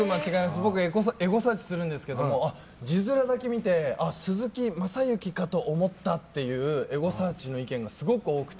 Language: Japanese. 僕、エゴサーチするんですけど字面だけ見て鈴木雅之かと思ったというエゴサーチの意見がすごく多くて。